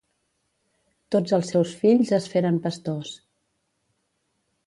Tots els seus fills es feren pastors.